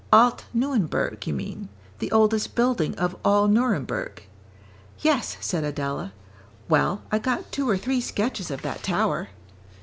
"Alt Nuenberg, you mean, the oldest building of all Nuremberg." "Yes," said Adela, "well, I got two or three sketches of that tower."